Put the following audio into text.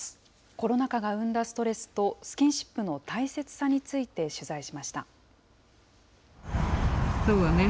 コロナ禍が生んだストレスと、スキンシップの大切さについて取材しました。